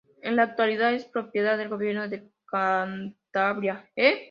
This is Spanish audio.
En la actualidad es propiedad del Gobierno de Cantabria.